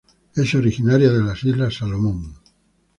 Es originaria de las Islas Salomón.